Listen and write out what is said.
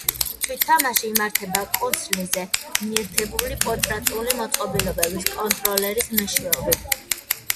თვით თამაში იმართება კონსოლზე მიერთებული პორტატიული მოწყობილობის, კონტროლერის მეშვეობით.